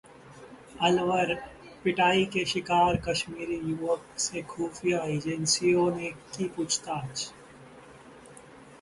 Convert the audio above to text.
अलवर: पिटाई के शिकार कश्मीरी युवक से खुफिया एजेंसियों ने की पूछताछ